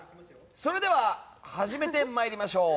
それでは始めてまいりましょう。